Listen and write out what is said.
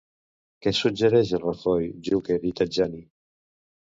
Què suggereix a Rajoy, Juncker i Tajani?